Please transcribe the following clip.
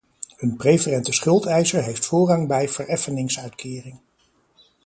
een preferente schuldeiser heeft voorrang bij vereffeningsuitkering.